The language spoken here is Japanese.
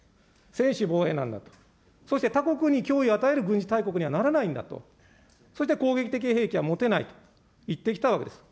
専守防衛なんだと、そして他国に脅威を与える軍事大国にはならないんだと、そういった攻撃的兵器は持てないと言ってきたわけです。